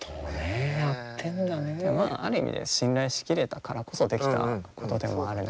まあある意味で信頼し切れたからこそできたことでもあるのかなと。